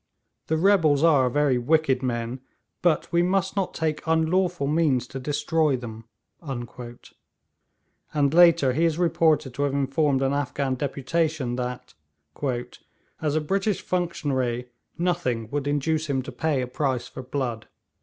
The rebels are very wicked men, but we must not take unlawful means to destroy them.' And later he is reported to have informed an Afghan deputation that, 'as a British functionary, nothing would induce him to pay a price for blood.'